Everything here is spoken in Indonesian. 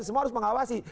semua harus mengawasi